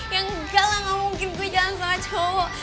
ya enggak lah gak mungkin gue jalan sama cowo